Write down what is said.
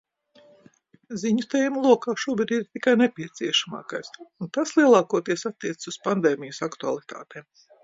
Ziņu tēmu lokā šobrīd ir tikai nepieciešamākais, un tas lielākoties attiecas uz pandēmijas aktualitātēm.